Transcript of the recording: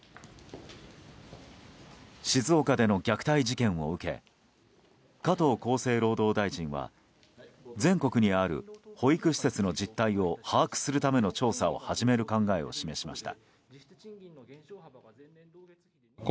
静岡での虐待事件を受け加藤厚生労働大臣は全国にある保育施設の実態を把握するための調査を始める考えを示しました。